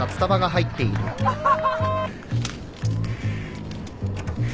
ハハハハ。